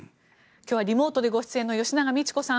今日はリモートでご出演の吉永みち子さん